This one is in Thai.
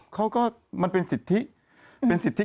เขาก็มันเป็นสิทธิ